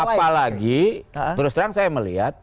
apalagi terus terang saya melihat